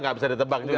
gak bisa ditebak juga